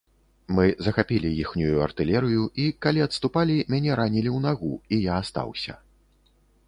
Мы захапілі іхнюю артылерыю, і, калі адступалі, мяне ранілі ў нагу, і я астаўся.